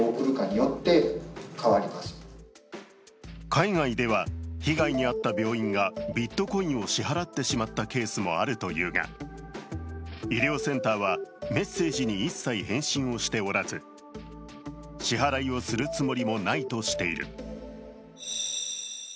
海外では、被害に遭った病院がビットコインを支払ってしまったケースもあるというが医療センターはメッセージに一切返信をしておらず支払いをするつもりもないとしている。